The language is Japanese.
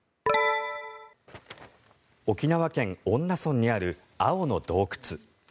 沖縄県恩納村にある青の洞窟。